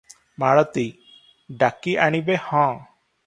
ମାଳତୀ- ଡାକି ଆଣିବେ ହଁ!